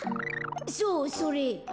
そうそれ。